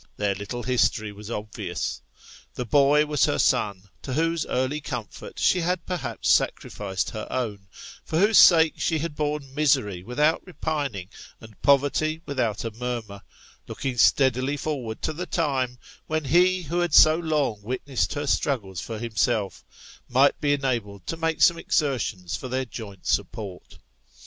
Their little history was obvious. The boy was her son, to whoso early comfort she had perhaps sacrificed her own for whose sake she had borne misery without repining, and poverty without a murmur looking steadily forward to the time, when ho who had so long witnessed her struggles for himself, might be enabled to make some exertions for their joint support.